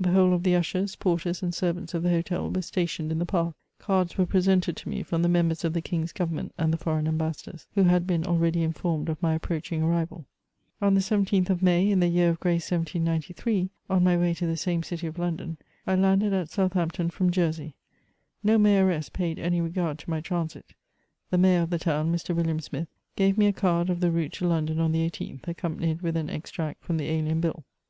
The whole of the ushers, porters, and servants of the hotel were stationed in the path. Cards were presented to me from the members of the king's government and the foreign ambassadors, who had been already informed of my approaching arrival. On the 17th of* May, in the year of grace 1793, on my way to the same city of London, I landed at Southampton from Jersey. No mayoress paid any regard to my transit ; the mayor of the town, Mr. William Smith, gave me a card of the route to Lon don on the 18th, accompanied with an extract from the Alien Bill.